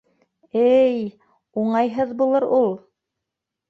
Эй-й-й... уңайһыҙ булыр ул...